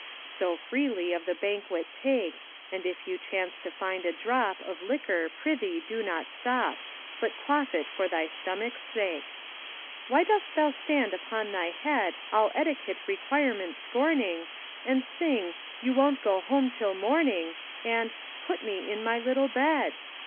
So freely of the banquet take, And if you chance to find a drop Of liquor, prithee do not stop But quaff it for thy stomach's sake. Why dost thou stand upon thy head, All etiquette requirements scorning, And sing "You won't go home till morning" And "Put me in my little bed"?